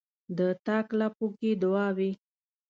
د تاک لپو کښې دعاوې،